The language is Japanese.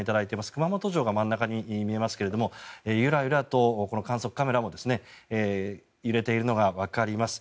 熊本城が真ん中に見えますがゆらゆらと観測カメラも揺れているのがわかります。